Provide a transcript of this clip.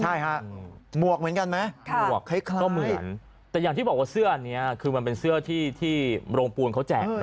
ใช่ฮะหมวกเหมือนกันไหมหมวกคล้ายก็เหมือนแต่อย่างที่บอกว่าเสื้ออันนี้คือมันเป็นเสื้อที่โรงปูนเขาแจกนะ